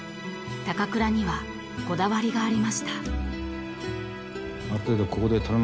高倉にはこだわりがありました］